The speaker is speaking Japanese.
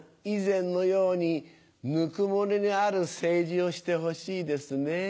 以前のようにぬくもりのある政治をしてほしいですね。